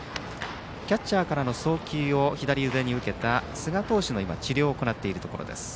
キャッチャーからの送球を左腕に受けた寿賀投手の治療を行っているところです。